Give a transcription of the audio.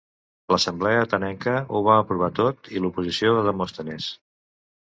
L'assemblea atenenca ho va aprovar tot i l'oposició de Demòstenes.